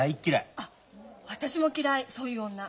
あっ私も嫌いそういう女。